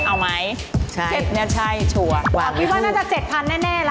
เอาไหมใช่ชัวร์วางวิธีอ๋อคิดว่าน่าจะ๗๐๐๐แน่ละ